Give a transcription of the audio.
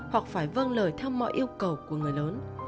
hoặc phải vâng lời theo mọi yêu cầu của người lớn